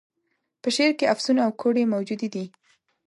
په شعر کي افسون او کوډې موجودي دي.